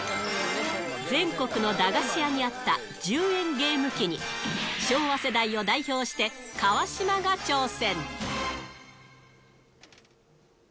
全国の駄菓子屋にあった１０円ゲーム機に、昭和世代を代表して、川島が挑戦。